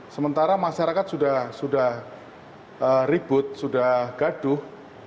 sementara masyarakat sudah ribut sudah gaduh